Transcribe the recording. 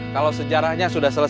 kalau sejarahnya sudah selesai